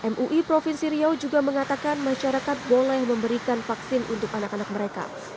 mui provinsi riau juga mengatakan masyarakat boleh memberikan vaksin untuk anak anak mereka